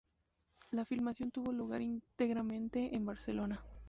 La filmación tuvo lugar íntegramente en Barcelona.